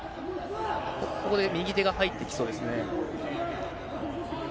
ここで右手が入ってきそうですね。